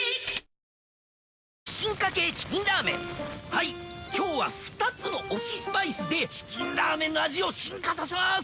はいっ今日は二つの推しスパイスで『チキンラーメン』の味を進化させます